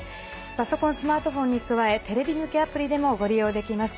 パソコン、スマートフォンに加えテレビ向けアプリでもご利用できます。